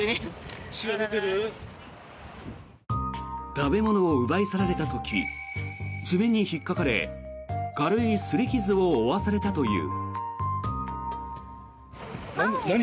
食べ物を奪い去られた時爪に引っかかれ軽いすり傷を負わされたという。